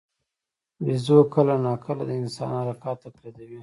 بیزو کله ناکله د انسان حرکات تقلیدوي.